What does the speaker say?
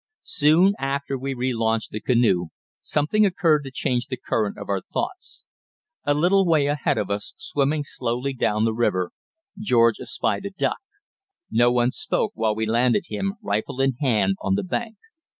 Soon after we relaunched the canoe something occurred to change the current of our thoughts. A little way ahead of us, swimming slowly down the river, George espied a duck. No one spoke while we landed him, rifle in hand, on the bank.